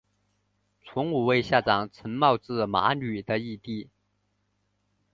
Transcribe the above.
从五位下长岑茂智麻吕的义弟。